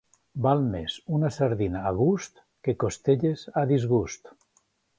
Val més una sardina a gust que costelles a disgust.